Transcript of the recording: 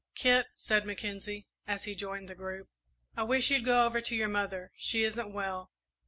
"Kit," said Mackenzie, as he joined the group, "I wish you'd go over to your mother she isn't well.